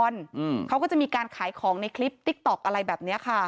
อืมเขาก็จะมีการขายของในคลิปติ๊กต๊อกอะไรแบบเนี้ยค่ะ